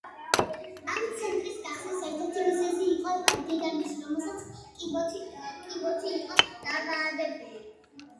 ამ ცენტრის გახსნის ერთ-ერთი მიზეზი იყო დედამისი, რომელიც კიბოთი იყო დაავადებული.